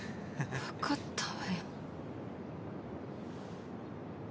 わかったわよ。